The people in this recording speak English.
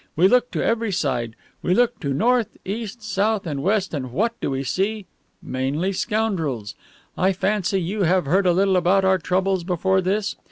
We look to every side. We look to north, east, south, and west, and what do we see? Mainly scoundrels. I fancy you have heard a little about our troubles before this.